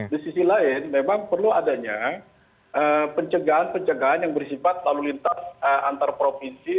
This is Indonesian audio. di sisi lain memang perlu adanya pencegahan pencegahan yang bersifat lalu lintas antar provinsi